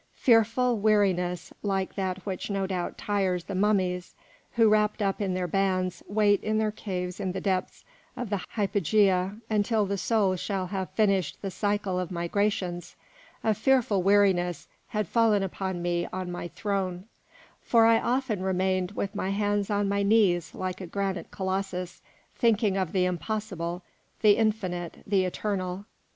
Fearful weariness, like that which no doubt tires the mummies, who, wrapped up in their bands, wait in their caves in the depths of the hypogea until the soul shall have finished the cycle of migrations, a fearful weariness had fallen upon me on my throne; for I often remained with my hands on my knees like a granite colossus, thinking of the impossible, the infinite, the eternal.